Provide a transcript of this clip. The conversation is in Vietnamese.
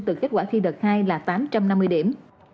từ kết quả thi đợt hai là tám trăm năm mươi điểm